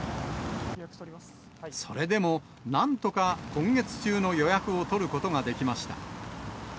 それでもなんとか今月中の予約を取ることができました。